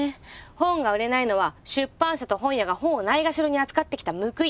本が売れないのは出版社と本屋が本をないがしろに扱ってきた報い。